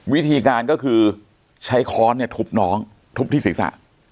วิธีการก็คือใช้ค้อนเนี่ยทุบน้องทุบที่ศีรษะ